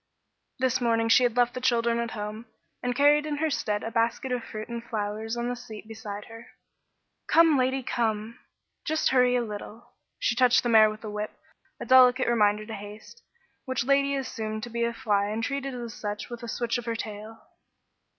This morning she had left the children at home, and carried in their stead a basket of fruit and flowers on the seat beside her. "Come, Lady, come; just hurry a little." She touched the mare with the whip, a delicate reminder to haste, which Lady assumed to be a fly and treated as such with a switch of her tail.